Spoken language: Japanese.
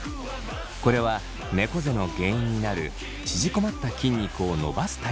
これはねこ背の原因になる縮こまった筋肉を伸ばす体操です。